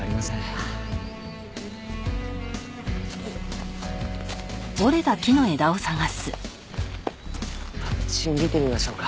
あっち見てみましょうか。